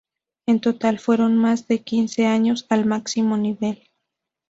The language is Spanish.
En total fueron más de quince años al máximo nivel.